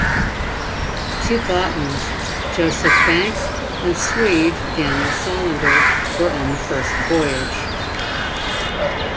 Two botanists, Joseph Banks and Swede Daniel Solander, were on the first voyage.